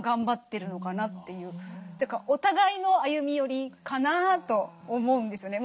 お互いの歩み寄りかなと思うんですよね。